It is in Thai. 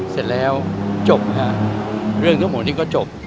เสร็จแล้วจบค่ะเรื่องทั้งหมดนี้ก็จบ